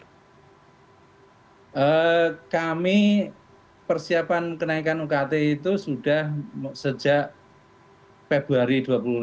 jadi kami persiapan kenaikan ukt itu sudah sejak februari dua puluh delapan